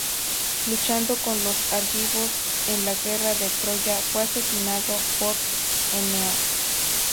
Luchando con los argivos en la Guerra de Troya, fue asesinado por Eneas.